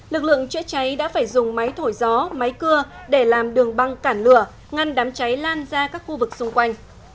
lực lượng chữa cháy đã phải dùng máy thổi gió máy cưa để làm đường băng cản lửa ngăn đám cháy lan ra các khu vực xung quanh